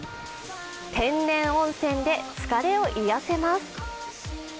天然温泉で疲れを癒やせます。